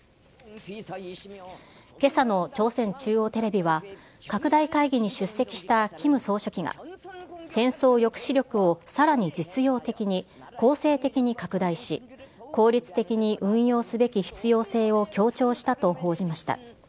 けさの朝鮮中央テレビは、拡大会議に出席したキム総書記が、戦争抑止力をさらに実用的に攻勢的に拡大し、効率的に運用すべき必要性を強調したと報じました。